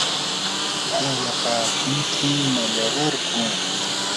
¿aayapaakunki mallaqarku?